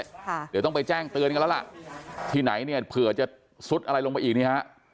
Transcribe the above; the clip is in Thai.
เดี๋ยวต้องไปแจ้งเตือนกันแล้วล่ะที่ไหนเนี่ยเผื่อจะซุดอะไรลงไปอีกนี่ฮะ